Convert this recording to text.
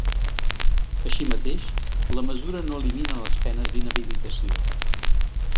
Així mateix, la mesura no elimina les penes d’inhabilitació.